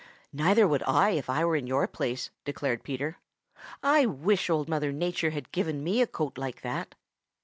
"Neither would I if I were in your place," declared Peter. "I wish Old Mother Nature had given me a coat like that."